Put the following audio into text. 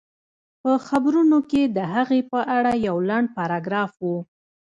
په خبرونو کې د هغې په اړه يو لنډ پاراګراف و